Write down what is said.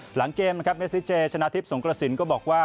หลังเกมนะครับเมซิเจชนะทิพย์สงกระสินก็บอกว่า